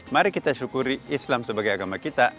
mari kita syukuri islam sebagai agama kita